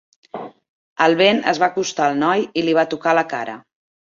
El vent es va acostar al noi i li va tocar la cara.